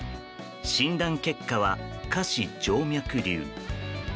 診断結果は、下肢静脈瘤。